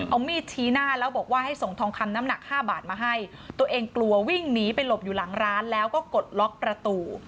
เอามีดชี้หน้าแล้วบอกว่าให้ส่งทองคำน้ำหนักห้าบาทมาให้ตัวเองกลัววิ่งหนีไปหลบอยู่หลังร้านแล้วก็กดล็อกประตู